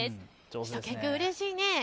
しゅと犬くん、うれしいね。